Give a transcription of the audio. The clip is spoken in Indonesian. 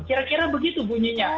kira kira begitu bunyinya